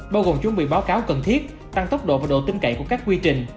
bao gồm chuẩn bị báo cáo cần thiết tăng tốc độ và độ tin cậy của các quy trình